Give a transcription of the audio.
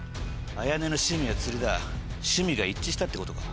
綾音の趣味は釣りだ趣味が一致したってことか。